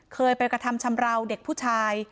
เคยไปกระทำชำราวเด็กผู้ชาย